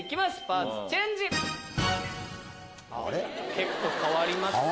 結構変わりますね。